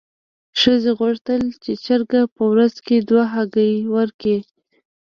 ښځې غوښتل چې چرګه په ورځ کې دوه هګۍ ورکړي.